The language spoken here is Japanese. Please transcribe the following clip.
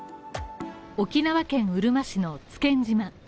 沖縄県うるま市の津堅島。